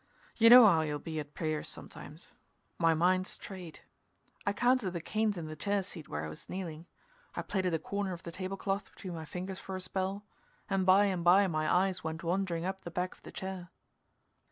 You know how you'll be at prayers sometimes. My mind strayed. I counted the canes in the chair seat where I was kneeling; I plaited a corner of the table cloth between my fingers for a spell, and by and by my eyes went wandering up the back of the chair.